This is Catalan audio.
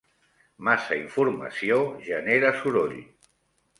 Massa informació genera soroll.